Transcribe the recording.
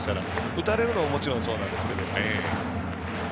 打たれるのももちろんそうなんですけど。